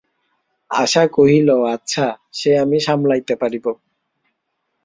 আশা কহিল, আচ্ছা, সে আমি সামলাইতে পারিব।